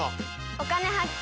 「お金発見」。